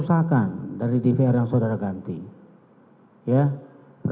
saya akan mencoba untuk mencoba